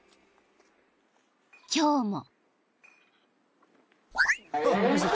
［今日も］